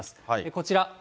こちら。